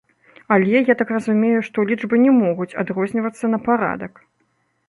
Але, я так разумею, што лічбы не могуць адрознівацца на парадак.